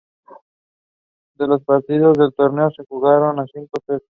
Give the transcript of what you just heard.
Todos los partidos del torneo se jugaron a cinco sets.